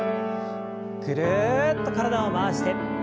ぐるっと体を回して。